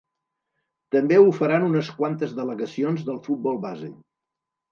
També ho faran unes quantes delegacions del futbol base.